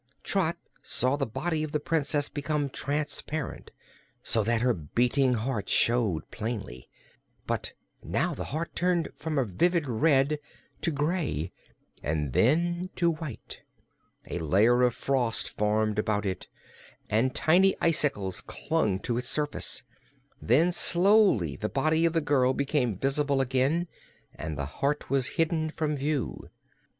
Trot saw the body of the Princess become transparent, so that her beating heart showed plainly. But now the heart turned from a vivid red to gray, and then to white. A layer of frost formed about it and tiny icicles clung to its surface. Then slowly the body of the girl became visible again and the heart was hidden from view.